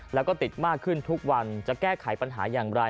แล้วก็ติดมากขึ้นทุกวันจะแก้ไขปัญหาอย่างไร